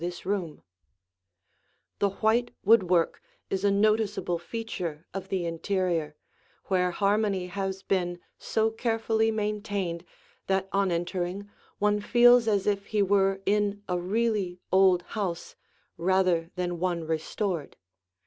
[Illustration: The Morning Room] The white woodwork is a noticeable feature of the interior, where harmony has been so carefully maintained that on entering one feels as if he were in a really old house, rather than one restored.